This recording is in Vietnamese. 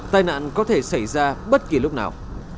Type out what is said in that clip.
tai nạn có thể xảy ra bất kỳ lúc nào